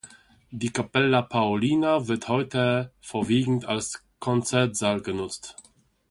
Die "Cappella Paolina" wird heute vorwiegend als Konzertsaal genutzt.